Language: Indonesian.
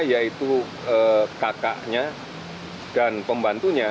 yaitu kakaknya dan pembantunya